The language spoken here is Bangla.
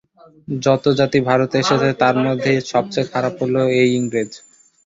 যত জাতি ভারতে এসেছে, তার মধ্যে সবচেয়ে খারাপ হল এই ইংরেজ।